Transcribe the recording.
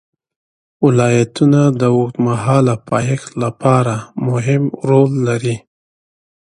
ولایتونه د اوږدمهاله پایښت لپاره مهم رول لري.